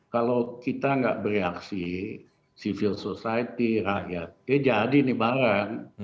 kalau kita nggak bereaksi civil society rakyat ya jadi nih barang